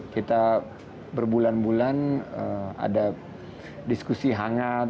kita berbulan bulan ada diskusi hangat